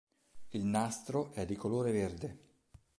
Il nastro è di colore verde.